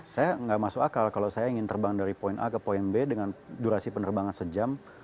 saya nggak masuk akal kalau saya ingin terbang dari poin a ke poin b dengan durasi penerbangan sejam